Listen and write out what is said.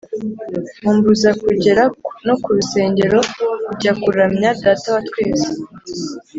Umbuza kugera no kurusengero kujya kuramya data wa twese